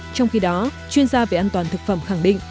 trong khi đó chuyên gia về an toàn thực phẩm khẳng định